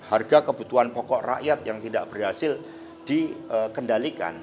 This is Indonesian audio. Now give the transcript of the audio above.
harga kebutuhan pokok rakyat yang tidak berhasil dikendalikan